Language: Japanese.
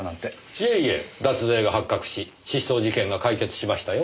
いえいえ脱税が発覚し失踪事件が解決しましたよ。